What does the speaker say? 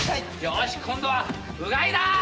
よーし今度はうがいだ！